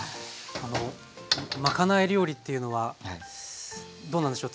あのまかない料理っていうのはどうなんでしょう